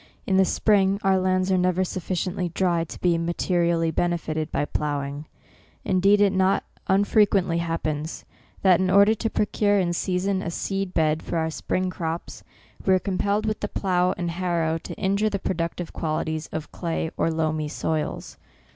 In the spring, our lands are never sufficiently dry to be materially benefited by ploughing ; indeed it not unfrequently happens, that in order to procure in season a &eed bed for our spring crops, we are compelled with the plough and harrow to injure the productive qualities of clay or loamy soils.